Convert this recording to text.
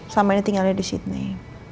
selama ini tinggalnya di sydney